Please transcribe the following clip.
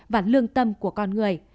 và lương tâm của con người